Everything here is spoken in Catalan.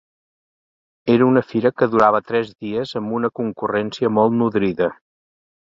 Era una fira que durava tres dies, amb una concurrència molt nodrida.